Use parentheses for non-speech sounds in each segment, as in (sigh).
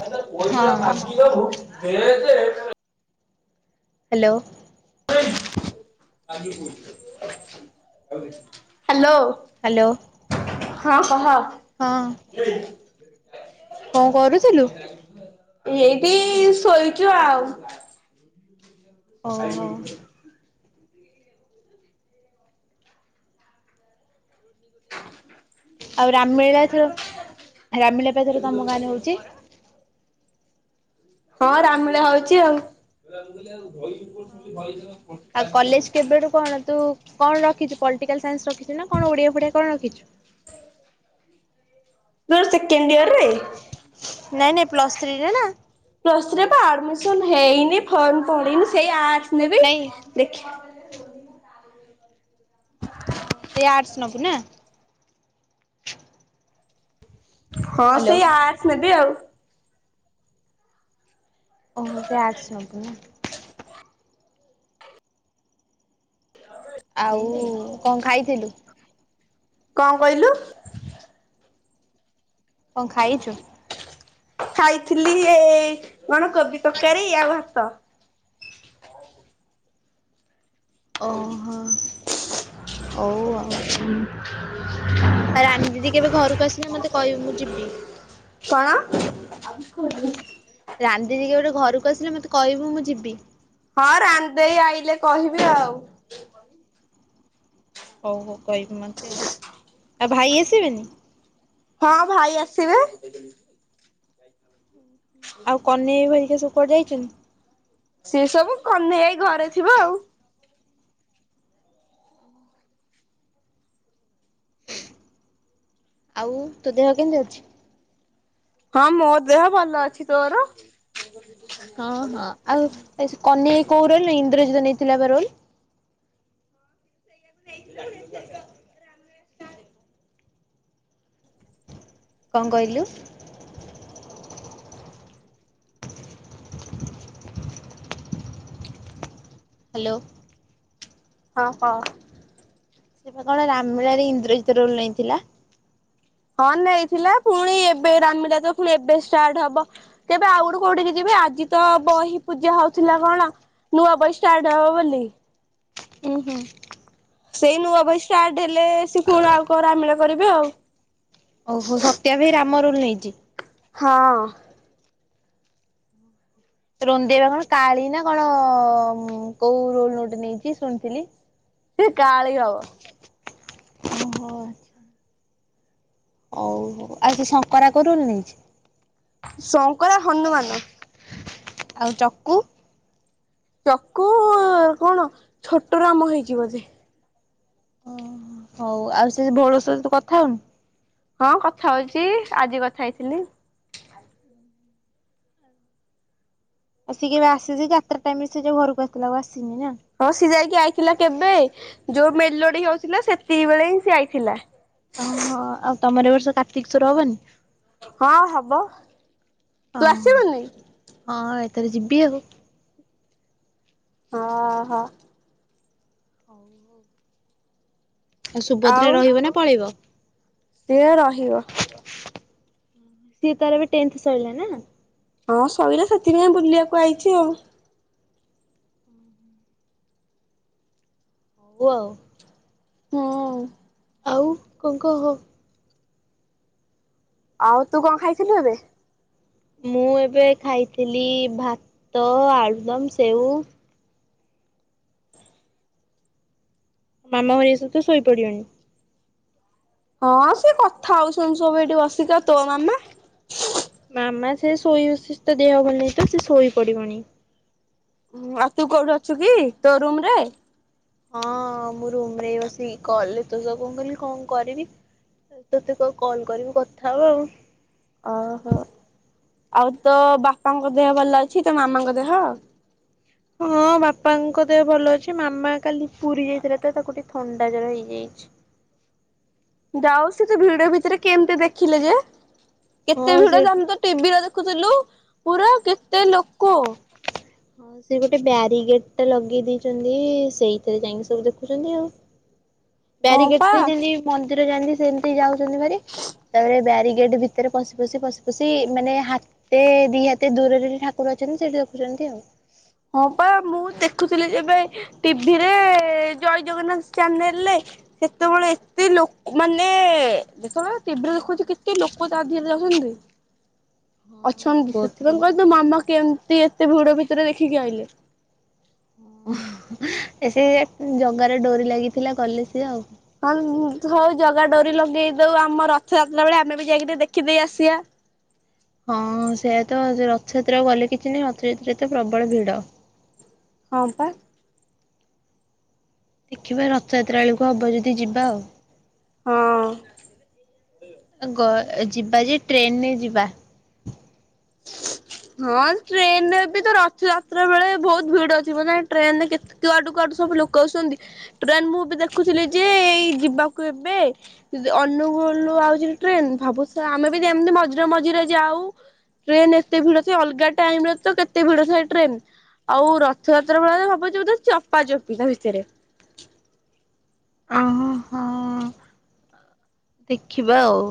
ଆ ପଇସଟା ହଁ। ମାଗିଦବୁ ହେ ଯେ ହାଲୋ। ହାଲୋ। ହାଲୋ। ହଁ କହ। ହଁ। କଣ କରୁଥିଲୁ? ହ ଏଇଠି ଶୋଇଚୁ ଆଉ। ଓହୋ। ଆଉ ରାମମେଳା ଏଥର ରାମମେଳା ପା ଏଥର ତମ ଗାଁରେ ହୋଉଚି। ହଁ ରାମମେଳା ହୋଉଚି ଆଉ। ଆଉ କଲେଜ କେବେଠୁ କଣ ତୁ କଣ ରଖଚୁ ପଲଟିକାଲ୍ ସାଇନ୍ସ ରଖିଚୁ ନା କଣ ଓଡ଼ିଆ ଫୋଡ଼ିଆ କଣ ରଖିଚୁ? ଏଥର ସେକେଣ୍ଡ ୟିର ନାଇଁ ନାଇଁ ପ୍ଲସ୍ ଥ୍ରୀରେ ନା। ପ୍ଲସ ଥ୍ରିରେ ଆଡମିସନ୍ ହେଇନି ଫର୍ମ୍ ପଢିନି ସେଇ ଆର୍ଟସ୍ ନେବି। ନାଇଁ ଦେଖି ହଁ ସେଇ ଆର୍ଟସ୍ ନୋବୁ ନା। ହଁ ହ୍ୟାଲୋ ସେଇ ଆର୍ଟସ୍ ନେବି ଆଉ। ଓହୋ ସେଇ ଆର୍ଟସ୍ ନୋବୁ ନା। ଆ ଆଉ କଣ ଖାଇଥିଲୁ? କଣ କହିଲୁ? କଣ ଖାଇଚୁ? ଖାଇଥିଲି ଏଇ କଣ କୋବି ତରକାରୀ ଆଉ ଭାତ। ଓହୋ। ହଉ ହୁଁ। ଆଉ ରାଣୀ ଦିଦି କେବେ ଘରକୁ ଆସିଲେ ମତେ କହିବୁ ମୁଁ ଯିବି। କଣ? ରାନ୍ଧି ଯିକି ଗୋଟେ ଘରକୁ ଆସିଲେ ମତେ କହିବୁ ମୁଁ ଯିବି। ହଁ ରାନ୍ଧେଇ ଆଇଲେ କହିବି ଆଉ। ଆଉ ଭାଇ ଆସିବେନି। ହଁ ଭାଇ ଆସିବେ। ଆଉ କନେଇ ବି ଭରିକା ସବୁ କୁଆଡେ ଯାଇଛନ୍ତି। ସେ ସବୁ କନେଇ ଆଇ ଘରେ ଥିବ ଆଉ। ଆଉ ତୋ ଦେହ କେମିତି ଅଛି? ହଁ ମୋ ଦେହ ଭଲ ଅଛି। ତୋର। ହଁ ହଁ ଆଉ କନେଇ ଆଇ କୋଉ ରୋଲ ଇନ୍ଦ୍ରଜୁତ ନେଇଥିଲା ପା ରୁମ। (unintelligible) କଣ କହିଲୁ? ହ୍ୟାଲୋ। ହଁ ହଁ। ସେ କଣ ରାମଲୀଳା ଇନ୍ଦ୍ରଜିତ ରୋଲ ନେଇଁଥିଲା। ହଁ ନେଇଥିଲା ପୁଣି ଏବେ ରାମୀଲ ତ ପୁଣି ଏବେ ଷ୍ଟାର୍ଟ ହବ। ତେବେ ଆଉ ଗୋଠୁ କୋଉଠିକି ଯିବେ। ଆଜି ତ ବହି ପୂଜା ହଉଥିଲା କଣ? ନୂଆ ବହି ଷ୍ଟାର୍ଟ ହବ ବୋଲି। ଉଁ ହୁଁ। ସେଇ ନୂଆ ବହି ଷ୍ଟାର୍ଟ ହେଲେ ସେ ପୁଣି ଆଉ କରାମିଳା କରିବେ ଆଉ। ଓହୋ ସତ୍ୟା ବି ରାମ ରୁଲ ନେଇଛି। ହଁ। ରୋନି ଦେଇ କଣ କାଳି ନା କଣ କୋଉ ରୋଲ ନୋଟ ନେଇଛି ଶୁଣିଥିଲି। ସେ କାଳି ହବ। ଓ ହୋ। ହଉ ହଉ ଆଉ କି ଶଙ୍କରା କୋଉ ରୁଲ ନେଇଛି। ଶଙ୍କରା ହନୁମାନ। ଆଉ ଚକୁ। ଚକୁ କଣ ଛୋଟ ରାମ ହେଇଛି ବୋଧେ। ଉଁ ହୁଁ ହଉ ଆଉ ସେ ଭୋଳ ସହ ତୁ କଥା ହୋଉନୁ। ହଁ କଥା ହଉଚି। ଆଜି କଥା ହେଇଥିଲି। ଆଉ ସିଏ କେବେ ଆସିଛି। ଯାତ୍ରା ଟାଇମ୍ ରେ ସେ ଯଉ ଘରକୁ ଆସିିଥିଲା ଆଉ ଆସିନି ନା। ହଁ ସି ଯାଇକି ଆଇଥିଲା କେବେ ଯୋଉ ମେଲୋଡି ହଉଥିଲା ସେତିକି ବେଳେ ହିଁ ସିଏ ଆଇଥିଲା। ଓହୋ ଆଉ ତମର ଏ ବର୍ଷ କାର୍ତ୍ତିକ ସ୍ୱର ହବନି। ହଁ ହବ ତୁ ଆସିବୁନି। ହଁ ଏଥରେ ଯିବି ଆଉ। ଓହୋ। ହଉ ହଉ। ଆଉ ସୁଭଦ୍ରା ରହିବ ନା ପଳେଇବ। ସିଏ ପା ରହିବ। ସିଏ ତାର ବି ଟେନ୍ଥ ସଇଲା ନା। ହଁ ସଇଲା ସେଥିପାଇଁ ବୁଲିବାକୁ ଆଇଛି ଆଉ। ପୁଅ। ହୁଁ। ଆଉ କଣ କହ? ଆଉ ତୁ କଣ ଖାଇଥିଲୁ ଏବେ? ମୁଁ ଏବେ ଖାଇଥିଲି ଭାତ ଆଳୁଦମ୍ ସେଉ। ମାମ ଘରେ ସବୁ ତ ଶୋଇପଡି ବେଣି? ହଁ ସେ କଥା ହୋଉ ସୋଉ ସୋଉ ଏଠି ବସିକା ତୋ ମାମା। ମାମା ସେ ଶୋଇ ସିସ ତ ତା ଦେହ ଭଲ ନାହିଁ ତ ସେ ଶୋଇ ପଡିବଣି। ଉଁ ଆଉ ତୁ କୋଉଠି ଅଛୁ କି ତୋ ରୁମ ରେ? ହଁ ମୁଁ ରୁମ ରେ ଏଇ ବସିକି କଲରେ ତୋ ସହ କଣ ମୁଁ କହିଲି କଣ କରିବି ତତେ କ କଲ୍ କରିବି କଥା ହବା ଆଉ। ଓହୋ ଆଉ ତୋ ବାପାଙ୍କ ଦେହ ଭଲ ଅଛି ତ ମାମାଙ୍କ ଦେହ? ହଁ ବାପାଙ୍କ ଦେହ ଭଲ ଅଛି। ମାମା କାଲି ପୁରୀ ଯାଇଥିଲା ତ ତାକୁ ଟିକେ ଥଣ୍ଡା ଜର ହେଇଯାଇଛି। ଯାଉ ସେ ତ ଭିଡ ଭିତରେ କେମିତି ଦେଖିଲେ ଯେ କେତେ ହଁ ସେ ଭିଡ ଦମ ତ ଟିଭିରେ ଦେଖୁଥିଲୁ ପୁରା କେତେ ଲୋକ। ହଁ ସେ ଗୋଟେ ବ୍ୟାରିଗେଟ ଟେ ଲଗେଇ ଦେଇଚନ୍ତି ସେଇଥିରେ ଯାଇକି ସବୁ ଦେଖୁଚନ୍ତି ଆଉ। ହଁ ବ୍ୟାରିଗେଟରେ ପା ଯେନ୍ତି ମନ୍ଦିର ଯାନ୍ତି ସେମିତି ଯାଉଛନ୍ତି ଭାରି। ତାପରେ ବ୍ୟାରିଗେଟ ଭିତରେ ପଶି ପଶି ପଶି ପଶି ମାନେ ହା ସେ ଦିଇହାତେ ଦୂରରେ ଠାକୁର ଅଛନ୍ତି ସେଠି ଦେଖୁଛନ୍ତି ଆଉ। ହଁ ପା ମୁଁ ଦେଖୁଥିଲି ଏବେ ଟିଭିରେ ଜୟ ଜଗନ୍ନାଥ ଚ୍ୟାନେଲରେ ସେତେବେଳେ ଏତେ ଲୋକ ମାନେ ଦେଖୁନ ଟିଭିରେ ଦେଖୋଉଚି କେତେ ଲୋକ ତା ଧିଅରେ ଯାଉଛନ୍ତି। ହଁ ଅଛନ୍ତି ବହୁତ ସେଥିପାଇଁ କହିଲି ତୋ ମାମା କେମିତି ଏତେ ଭିଡ ଭିତରେ ଦେଖିକି ଆଇଲେ। ଓହୋ ଏ ସେ ଜଗାର ଡୋରି ଲାଗିଥିଲା ଗଲେ ସିଏ ଆଉ। ହଁ ହଉ ଜଗା ଡୋରି ଲଗେଇ ଦୋଉ ଆମ ରଥଯାତ୍ରା ବେଳେ ଆମେ ବି ଯାଇ ଟିକେ ଦେଖିଦେଇ ଆସିବା। ହଁ ସେଇଆ ତ ରଥଯାତ୍ରା ଗଲେ କିଛି ନାହିଁ। ରଥଯାତ୍ରାରେ ତ ପ୍ରବଳ ଭିଡ। ହଁ ପା। ଦେଖିବା ରଥଯାତ୍ରା ବେଳକୁ ହବ ଯଦି ଯିବା ଆଉ। ହଁ। ଗ୍ ଏ ଯିବା ଯେ ଟ୍ରେନରେ ଯିବା। ହ ହଁ ଟ୍ରେନରେ ବି ତ ରଥଯାତ୍ରା ବେଳେ ବୋହୁତ ଭିଡ ଥିବ ନା ଟ୍ରେନ ରେ କେତେ ତୁ ଆଡୁ କୁ ଆଡୁ ସବୁ ଲୋକ ଆସୁଛନ୍ତି ଟ୍ରେନ ମୁଁ ଏବେ ଦେଖୁଥିଲି ଯେ ଏଇ ଯିବାକୁ ଏବେ ଦି ଅନୁଗୁଳ ଆଉଛି ଟ୍ରେନ ଭାବୁଛ ଆମେ ବି ଏମିତି ମଝିରେ ମଝିରେ ଯାଉ। ଟ୍ରେନ ଏତେ ଭିଡ ଥାଏ ଅଲଗା ଟାଇମ ରେ ତ କେତେ ଭିଡ ଥାଏ ଟ୍ରେନ। ଆଉ ରଥଯାତ୍ରା ବେଳେ ଭାବୁଚି ଚପା ଚପି ତା ଭିତରେ। ଓହୋ ହଁ। ଦେଖିବା ଆଉ।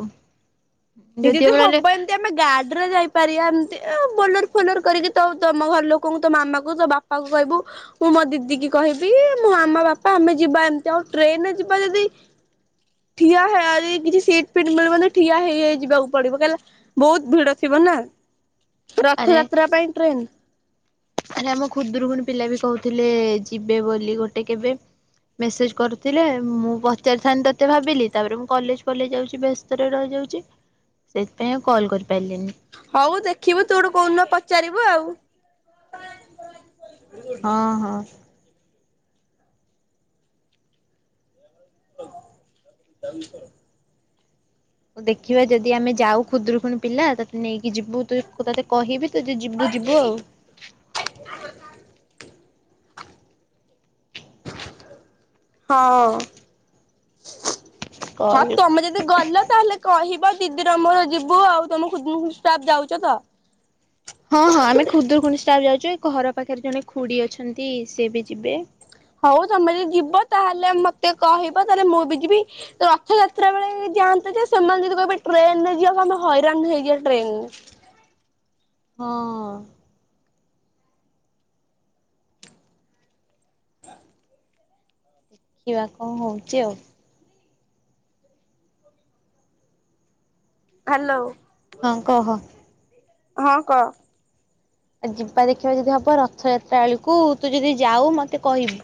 ଯେ ଯଦି ହବ ଏମତିଆ ଆମେ ଗାର୍ଡ ରେ ଯାଇପାରିବା ଏମିତି ବୋଲର ଫୋଲର କରିକି ତ ତମ ଘର ଲୋକଙ୍କୁ ତ ମାମା କ ତ ବାପା ପାକୁ କହିବୁ ମୁଁ ମୋ ଦିଦି କି କହିବି ମୋ ଆମ ବାପା ଆମେ ଯିବା ଏମିତି ଆଉ ଟ୍ରେନରେ ଯିବା ଯଦି ଠିଆ ହେ ଯଦି କିଛି ସିଟ୍ ଫିଟ୍ ମିଳିବନି ଠିଆ ହେଇ ହେଇଯି ଯିବାକୁ ପଡିବ କହିଲା ବୋହୁତ ଭିଡ ଥିବ ନା ଆରେ ରଥଯାତ୍ରା ପାଇଁ ଟ୍ରେନ୍। ଆରେ ଆମ ଖୁଦୁରୁକୁୁଣି ପିଲା ବି କୋହୁଥିଲେ ଯିବେ ବୋଲି ଗୋଟେ କେବେ ମେସେଜ୍ କରିୁଥିଲେ ମୁଁ ପଚାରିଥାନ୍ତି ତତେ ଭାବିଲି ତାପରେ ମୁଁ କଲେଜ ଫଲେଜ ଯାଉଛି ବ୍ୟସ୍ତ ସ୍ତରେ ରହିଯାଉଚି ସେଇଥିପାଇଁ ଆଉ କଲ କରିପାରିଲିନି। ହୋଉ ଦେଖିବୁ ତୁ ଗୋଟେ କୋଉଦିନ ପଚାରିବୁ ଆଉ। ହଁ ହଁ। ଚାଲ କର ଦେଖିବା ଯଦି ଆମେ ଯାଉ ଖୁଦୁରୁକୁୁଣି ପିଲା ତତେ ନେଇକି ଯିବୁ ତୁ ତତେ କହିବି ତୁ ଯିବୁ ଯିବୁ ଆଉ। ହଁ ହଁ କଲ୍ ତମେ ଯଦି ଯଦି ଗଲ ତାହେଲେ କହିବ ଦିଦିର ମୋର ଯିବୁ ଆଉ ତମକୁ ମୁଁ ଷ୍ଟାଫ୍ ଯାଉଛ ତ? ହଁ ହଁ ଆମେ ଖୁଦୁୁରକୁୁଣି ଷ୍ଟାଫ୍ ଯାଉଛୁ ଏଇ ଘର ପାଖରେ ଜଣେ ଖୁଡ଼ି ଅଛନ୍ତି ସିଏ ବି ଯିବେ। ହଉ ତମେ ଯଦି ଯିବ ତାହେଲେ ମତେ କହିବ ତାହେଲେ ମୁଁ ବି ଯିବି। ରଥଯାତ୍ରା ବେଳେ ଯାଆନ୍ତେ ଯେ ସେମାନେ ଯଦି କହିବେ ଟ୍ରେନରେ ଯିବାକୁ ଆମେ ହଇରାଣ ହେଇଯିବା ଟ୍ରେନରେ। ହଁ। ହ ଖିବା କଣ ହଉଛି ଆଉ? ହ୍ୟାଲୋ। ହଁ କହ। ହଁ କ। ଆଉ ଯିବା ଦେଖିବା ଯଦି ହବ ରଥଯାତ୍ରା ବେଳକୁ ତୁ ଯଦି ଯାଉ ମତେ କହିବୁ।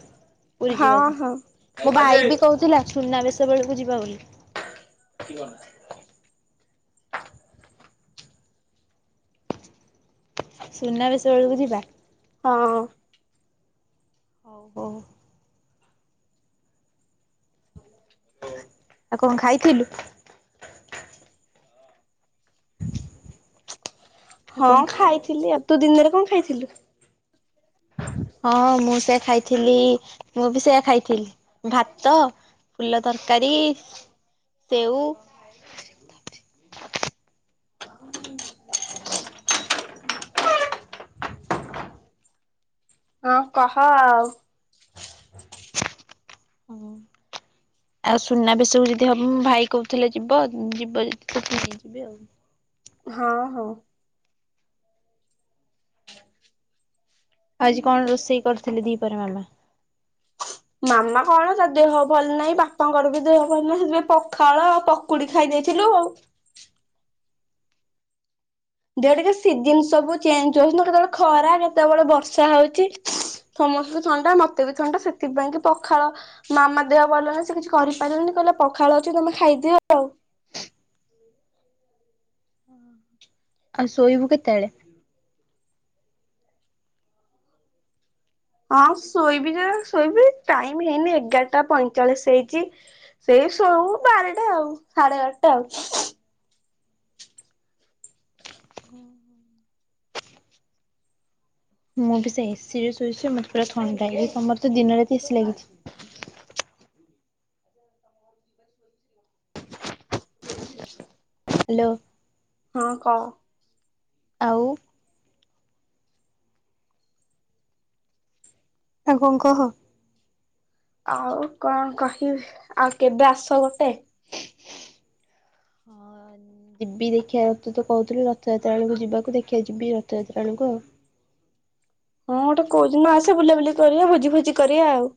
ପୁରୀ ହଁ ଯିବାକୁ ହଁ। ମୋ ଭାଇ ବି କହୁଥିଲା ସୁନାବେଶ ବେଳକୁ ଯିବା ବୋଲି। କି କ ସୁନା ବେଶବେଳକୁ ଯିବା। ହଁ। ହଉ ହଉ। ଆଉ କଣ ଖାଇଥିଲୁ? ଆଉ ହଁ କଣ ଖା ଖାଇଥିଲି ଆଉ ତୁ ଦିନରେ କଣ ଖାଇଥିଲୁ? ହଁ ମୁଁ ସେଆ ଖାଇଥିଲି ମୁଁ ବି ସେଇଆ ଖାଇଥିଲି ଭାତ ଫୁଲ ତରକାରୀ, ସେଉ ହ ହଁ କହ ଆଉ। ଆଉ ସୁନାବେଶକୁ ଯଦି ହବ ଉଁ ଭାଇ କହୁଥିଲେ ଯିବ, ଯିବ ଯଦି ତତେ ନେଇଯିବେ ଆଉ। ହଁ ହଁ। ଆଜି କଣ ରୋଷେଇ କରିଥିଲେ ଦିପହରେ ମାମା? ମାମା କଣ ତା ଦେହ ଭଲ ନାହିଁ ବାପାଙ୍କର ବି ଦେହ ଭଲ ନାହିଁ ହେଥିପାଇଁ ପଖାଳ ପ କୁଡି ଖାଇ ଦେଇଥିଲୁ ଆଉ। ଦେହ ଟିକେ ସିଜିନ ସବୁ ଚେଞ୍ଜ ହଉଛି ତ କେତେବେଳେ ଖରା କେତେବେଳେ ବର୍ଷା ହଉଛି। ସମସ୍ତଙ୍କୁ ଥଣ୍ଡା ମତେ ବି ଥଣ୍ଡା ସେଥିପାଇଁକି ପଖାଳ ମାମା ଦେହ ଭଲ ଅଛି, ସେ କିଛି କରିପାରିବନି କହିଲା ପଖାଳ ଅଛି ତମେ ଖାଇଦିଅ ଆଉ। ଉଁ ହୁଁ। ଆଉ ଶୋଇବୁ କେତେବେଳେ? ହଁ ଶୋଇବି ଯେ ଶୋଇବି ଟାଇମ ହେଇନି ଏଗାରଟା ପଇଁଚାଳିଶ ହେଇଛି ସେଇ ଶୋଉ ବାରଟା ଆଉ ସାଢେ ବାରଟା ଆଉ। ମୁଁ ବି ସେ ଏସିିରେ ଶୋଇଛି ମତେ ପୁରା ଥଣ୍ଡା ହେଇଯାଇଚି, ତମର ତ ଦିନ ରାତି ଏସି ଲାଗିଛି। ହ୍ୟାଲୋ। ହଁ କହ। ଆଉ ଆଉ କଣ କହ? ଆଉ କଣ କହିବି, ଆଉ କେବେ ଆସ ଗୋଟେ। ଯିବି ଦେଖିଆ ରଥ ତୁ ତ କହୁଥିଲୁ ରଥଯାତ୍ରା ବେଳକୁ ଯିବାକୁ ଦେଖିଆ ଯିବି ରଥଯାତ୍ରା ବେଳକୁ ଆଉ। ହଁ ଗୋଟେ କୋଉଦିନ ଆସେ ବୁଲାବୁଲି କରିବା ଭୋଜି ଫୋଜି କରିବା ଆଉ।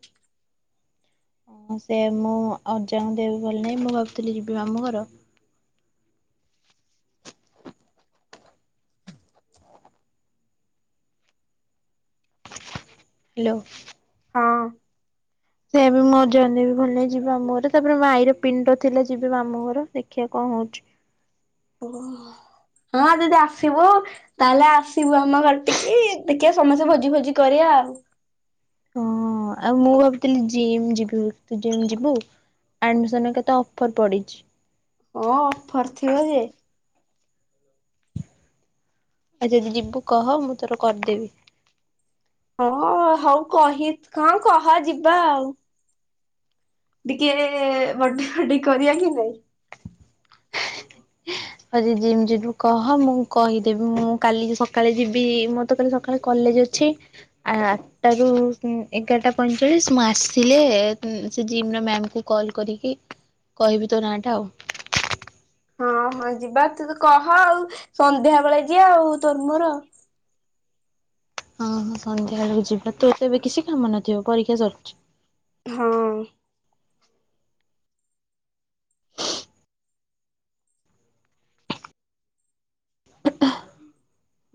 ହଁ ସେ ମୁଁ ଅଜାଙ୍କ ଦେହ ବି ଭଲ ନାହିଁ ମୁଁ ଭାବୁଥିଲି ଯିବି ମାମୁଁ ଘର ହ୍ୟାଲୋ। ହଁ। ସେ ବି ମୋ (unintelligible) ବିି ଭଲ ନାଇଁ ଯିବା ମୋର ତାପରେ ମୋ ଆଈର ପିଣ୍ଡ ଥିଲା ଯିବି ମାମୁଁ ଘର ଦେଖିବା କଣ ହଉଛି। ଓ ହୋ ହଁ ଦିଦି ଆସିବୁ ତାହେଲେ ଆସିବୁ ଆମ ଘଟିକି ଦେଖିବା ସମସ୍ତେ ଭୋଜି ଭୋଜି କରିବା ଆଉ। ହଁ ଆଉ ମୁଁ ଭାବୁଥିଲି ଯିମ୍ ଯିବି ବୋଲି ତୁ ଯିମ୍ ଯିବୁ। ଆଡ଼ମିସନ କେତେ ଅଫର୍ ପଡ଼ିଛି‌। ହଁ ଅଫର ଥିବ ଯେ ଆଉ ଯଦି ଯିବୁ କହ ମୁଁ ତୋର କରିଦେବି। ହଁ ହଉ କହିତ୍ ହଁ କହ ଯିବା ଆଉ। ଟିକିଏ ବଟ୍ ବଡି କରିବା କି ନାଇଁ? ଆଜି ଜିମ ଜିବୁ କହ ମୁଁ କହିଦେବି ମୁଁ କାଲି ସକାଳେ ଯିବି ମତ କାଲି ସ ସକାଳେ କଲେଜ ଅଛି ଆ ଟାରୁ ଏଗାରଟା ପଇଁଚାଳିଶ ମୁଁ ଆସିଥିଲି ସେ ଜିମ ର ମ୍ୟାମକୁ କଲ୍ କରିକି କହିବି ତ ନାଁଟା ଆଉ। ହଁ ହଁ ଯିବା ତ କହ ଆଉ ସନ୍ଧ୍ୟା ବେଳେ ଯିବା ଆଉ ତୋର ମୋର। ହଁ ହଁ ସନ୍ଧ୍ୟା ବେଳକୁ ଯିବା ତୋ ତ ଏବେ କିଛି କାମ ନଥିବ ପରୀକ୍ଷା ସରିଛି ହଁ।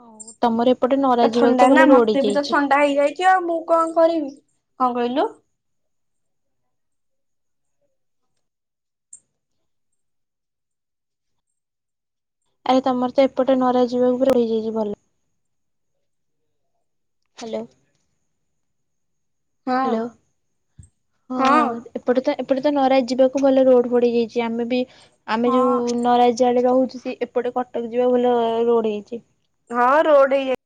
ହଁ ତମର ଏପଟେ ନରା ଯିବାକୁ ତ ଭଲ ରୋଡ ହେଇଯାଇଛି। କିଆ ମୁଁ କଣ କରିବି କଣ କହିଲୁ? ଆରେ ତମର ତ ଏପଟେ ନରା ଯିବାକୁ ରୋଡ ହୋଇଯାଇଛି ଭଲ। ହ୍ୟାଲୋ। ହ୍ୟାଲୋ ହଁ ହଁ। ଏପଟେ ତ ଏପଟେ ତ ନରାଜ ଯିବାକୁ ଭଲ ରୋଡ ପଡି ଯାଇଛି ଆମେ ବି ଆମେ ହଁ ଯୋଉ ନରାଜ ଆଡେ ରହୁଛୁ ସେ ଏପଟେ କଟକ ଯିବା ଭଲ ରୋଡ ହେଇଛି। ହଁ ରୋଡ ହେଇ